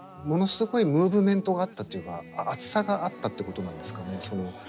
ものすごいムーブメントがあったっていうか熱さがあったってことなんですかね。